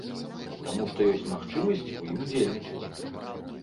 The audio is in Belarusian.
Таму, што ёсць магчымасць у ім удзельнічаць.